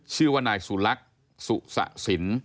ชื่อว่านายสุลักษณ์สุสะสิน